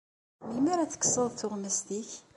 Melmi ara ad tekkseḍ tuɣmest-ik?